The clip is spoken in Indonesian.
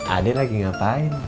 adek lagi ngapain